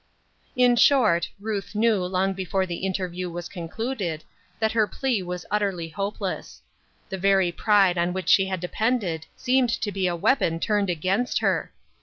In short, Ruth knew, long before the interview was concluded, that her plea was utterly hopeless. The very pride on which she had depended seemed to be a weapon turned against her.